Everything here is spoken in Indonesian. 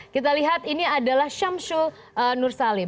kita lihat ini adalah syamsul nursalim